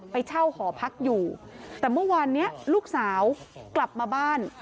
ไปเช่าหอพักอยู่แต่เมื่อวานนี้ลูกสาวกลับมาบ้าน